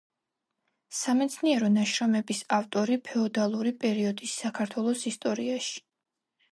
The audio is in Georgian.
სამეცნიერო ნაშრომების ავტორი ფეოდალური პერიოდის საქართველოს ისტორიაში.